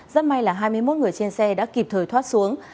rất may là hai mươi một người trên xe đã kịp thời thoát xuống